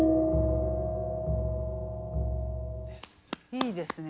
いいですね。